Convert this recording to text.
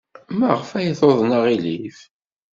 Maɣef ay tuḍen aɣilif?